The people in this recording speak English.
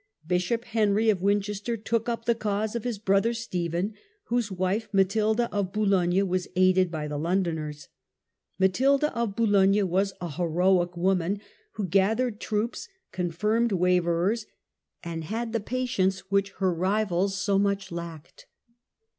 Bishop Henry of Winchester took up the cause of his brother Stephen, whose wife, Matilda of Boulogne, was aided by the Londoners. Ma tilda of Boulogne was a heroic woman, who gathered troops, confirmed waverers, and had the patience which 14 STEPHEN'S RECOVERY OF POWER. the rivals so much lacked.